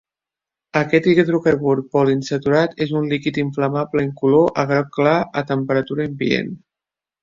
Aquest hidrocarbur poliinsaturat és un líquid inflamable incolor a groc clar a temperatura ambient.